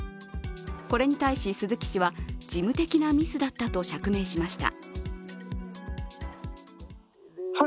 これに対し、鈴木氏は事務的なミスだったと釈明しました。